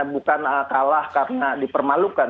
bukan kalah karena dipermalukan